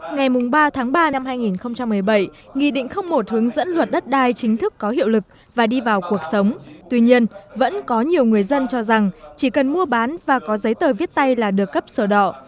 ngày ba tháng ba năm hai nghìn một mươi bảy nghị định một hướng dẫn luật đất đai chính thức có hiệu lực và đi vào cuộc sống tuy nhiên vẫn có nhiều người dân cho rằng chỉ cần mua bán và có giấy tờ viết tay là được cấp sổ đỏ